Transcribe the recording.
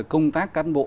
công tác căn bộ